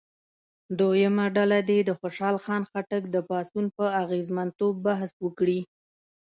دویمه ډله دې د خوشحال خان خټک د پاڅون په اغېزمنتوب بحث وکړي.